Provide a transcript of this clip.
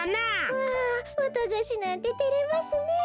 わあわたがしなんててれますねえ。